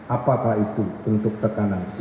apakah itu untuk tekanan fisik